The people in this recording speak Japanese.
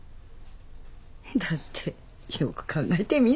だってよく考えてみ。